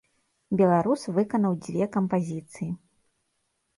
Беларус выканаў дзве кампазіцыі.